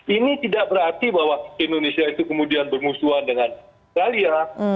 ini tidak berarti bahwa indonesia itu kemudian bermusuhan dengan australia